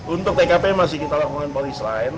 untuk tkp masih kita lakukan polis lain